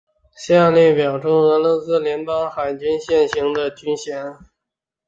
下表列出俄罗斯联邦海军现行的军衔。